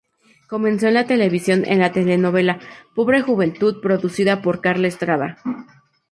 Comenzó en televisión en la telenovela Pobre juventud producida por Carla Estrada.